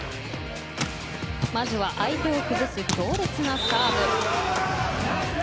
まずは相手を崩す強烈なサーブ。